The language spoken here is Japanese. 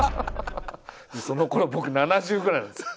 そのころ僕７０ぐらいなんですよ。